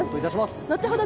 後ほど